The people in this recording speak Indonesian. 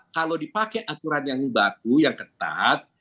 kalau dipakai aturan yang baku yang ketat